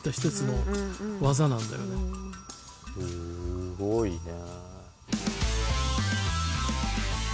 すごいね。